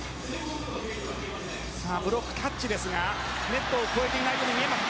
ブロックタッチですがネットを越えていないように見えます。